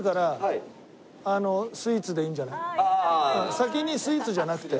先にスイーツじゃなくて。